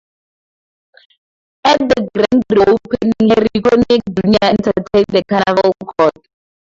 At the grand re-opening Harry Connick, Junior entertained at the Carnaval Court.